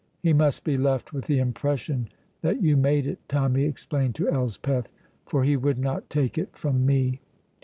"He must be left with the impression that you made it," Tommy explained to Elspeth, "for he would not take it from me."